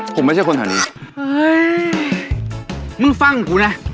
ผมไม่ใช่คนทานีเฮ้ยมึงฟังกว่ากูนะ